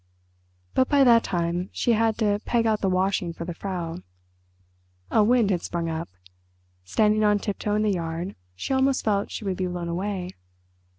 But by that time she had to peg out the washing for the Frau. A wind had sprung up. Standing on tiptoe in the yard, she almost felt she would be blown away.